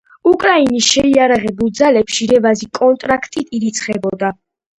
უკრაინის შეიარაღებულ ძალებში რევაზი კონტრაქტით ირიცხებოდა.